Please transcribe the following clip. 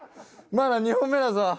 まだ２本目だぞ。